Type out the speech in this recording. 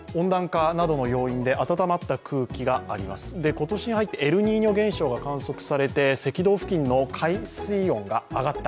今年に入ってエルニーニョ現象が観測されて赤道付近の海水温が上がった。